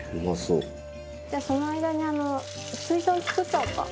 じゃあその間にすいとん作っちゃおうか。